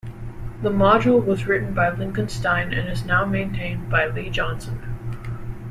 The module was written by Lincoln Stein and is now maintained by Lee Johnson.